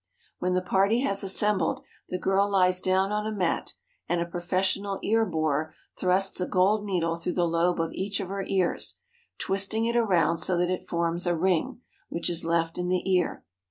When the party has assembled, the girl lies down on a mat and a professional ear borer thrusts a gold needle through the lobe of each of her ears, twisting it around so that it forms a ring, which is left in the ear.